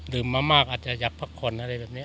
มามากอาจจะอยากพักผ่อนอะไรแบบนี้